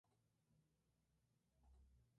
La noche del día siguiente, un coche pasó por el Gral.